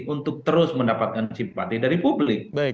untuk terus mendapatkan simpati dari publik